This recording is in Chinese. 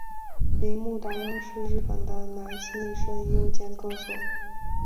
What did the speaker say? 铃木达央是日本的男性声优兼歌手。